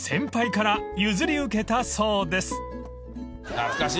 懐かしい。